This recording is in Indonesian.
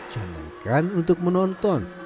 jangan lupa untuk menonton